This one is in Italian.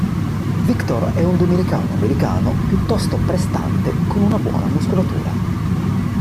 Victor è un Dominicano-americano piuttosto prestante con una buona muscolatura.